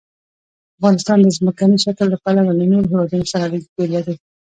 افغانستان د ځمکني شکل له پلوه له نورو هېوادونو سره اړیکې لري.